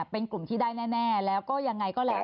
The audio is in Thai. เป็นกลุ่มที่ได้แน่แล้วก็ยังไงก็แล้ว